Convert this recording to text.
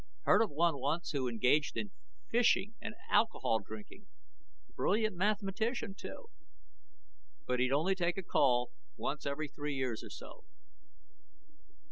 Heard of one once who engaged in fishing and alcohol drinking. Brilliant mathematician, too. But he'd only take a call once every three years or so."